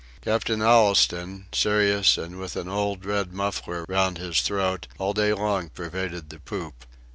Captain Allistoun, serious, and with an old red muffler round his throat, all day long pervaded the poop.